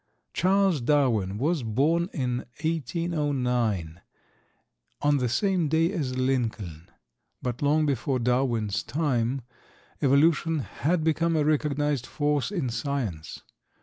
Charles Darwin was born in 1809, on the same day as Lincoln, but, long before Darwin's time, evolution had become a recognized force in science.